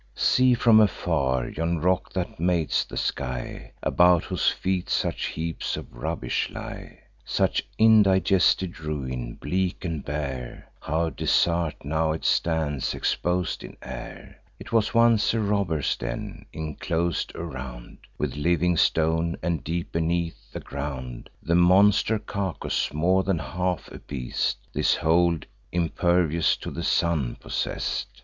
See, from afar, yon rock that mates the sky, About whose feet such heaps of rubbish lie; Such indigested ruin; bleak and bare, How desert now it stands, expos'd in air! 'Twas once a robber's den, inclos'd around With living stone, and deep beneath the ground. The monster Cacus, more than half a beast, This hold, impervious to the sun, possess'd.